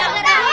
ya apaan ini